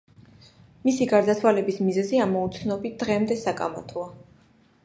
მისი გარდაცვალების მიზეზი ამოუცნობი დღემდე საკამათოა.